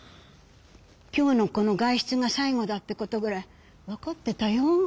今日のこの外出が最後だってことぐらいわかってたよ。